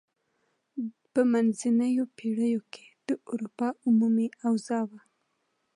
په منځنیو پیړیو کې د اروپا عمومي اوضاع وه.